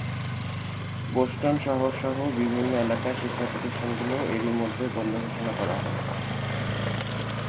Boston শহরসহ বিভিন্ন এলাকার শিক্ষাপ্রতিষ্ঠানগুলো এরই মধ্যে বন্ধ ঘোষণা করা হয়েছে।